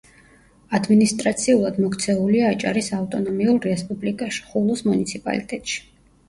ადმინისტრაციულად მოქცეულია აჭარის ავტონომიურ რესპუბლიკაში, ხულოს მუნიციპალიტეტში.